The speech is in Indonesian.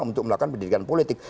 untuk melakukan pendidikan politik